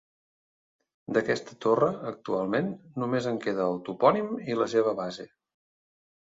D'aquesta torre, actualment, només en queda el topònim i la seva base.